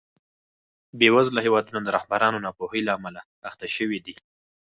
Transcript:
بېوزله هېوادونه د رهبرانو ناپوهۍ له امله اخته شوي دي.